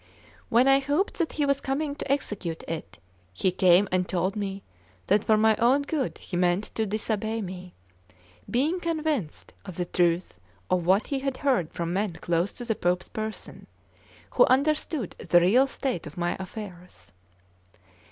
When I hoped that he was coming to execute it, he came and told me that for my own good he meant to disobey me, being convinced of the truth of what he had heard from men close to the Pope's person, who understood the real state of my affairs.